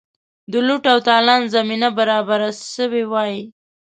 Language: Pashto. د لوټ او تالان زمینه برابره سوې وي.